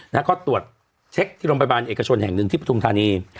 แล้วก็ตรวจเช็คที่โรงพยาบาลเอกชนแห่งหนึ่งที่ปฐุมธานี